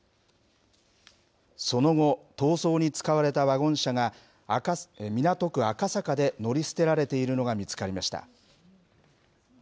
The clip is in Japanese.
その後、逃走に使われたワゴン車が、港区赤坂で乗り捨てられているのが見つかりました。